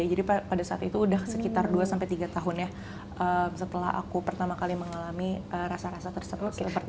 jadi pada saat itu udah sekitar dua sampai tiga tahun ya setelah aku pertama kali mengalami rasa rasa tersebut